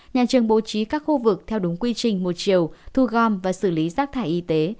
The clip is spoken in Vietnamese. nhà trường bố trí các khu vực theo đúng quy trình một chiều thu gom và xử lý rác thải y tế